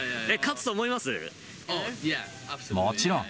もちろん。